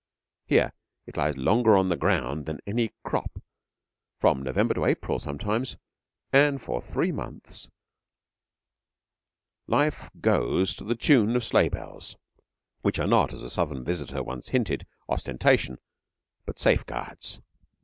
Here it lies longer on the ground than any crop from November to April sometimes and for three months life goes to the tune of sleigh bells, which are not, as a Southern visitor once hinted, ostentation, but safeguards.